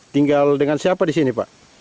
tinggal dengan siapa di sini pak